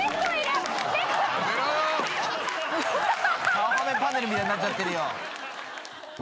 顔はめパネルみたいになっちゃってるよ。